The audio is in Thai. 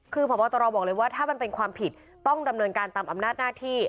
คือพบตรบอกเลยว่าถ้ามันเป็นความผิดต้องดำเนินการตามอำนาจหน้าที่